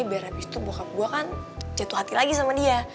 biar habis itu gue kan jatuh hati lagi sama dia